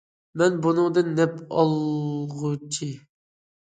مەن بۇنىڭدىن نەپ ئالغۇچى.